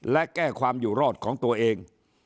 และแก้ความอยู่รอดของตัวเอง